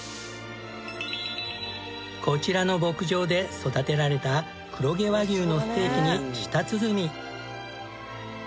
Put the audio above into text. こちらの牧場で育てられた黒毛和牛のステーキに舌鼓。